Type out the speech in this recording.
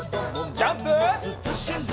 ジャンプ！